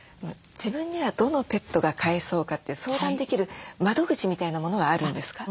自分にはどのペットが飼えそうかって相談できる窓口みたいなものはあるんですか？